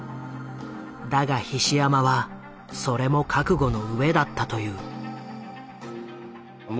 だが菱山はそれも覚悟の上だったという。